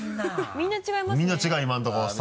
みんな違いますね。